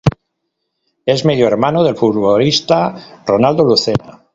Es medio hermano del futbolista Ronaldo Lucena.